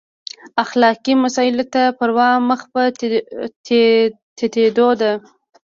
اخلاقي مسایلو ته پروا مخ په تتېدو ده.